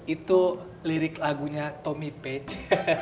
itu lirik lagunya tommy page